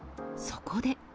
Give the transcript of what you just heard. そこで。